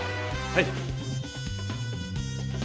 はい！